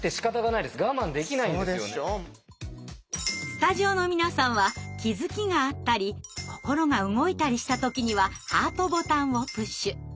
スタジオの皆さんは気づきがあったり心が動いたりした時にはハートボタンをプッシュ。